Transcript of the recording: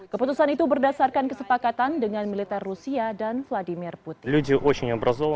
keputusan itu berdasarkan kesepakatan dengan militer rusia dan vladimir put